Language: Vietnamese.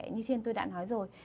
như trên tôi đã nói rồi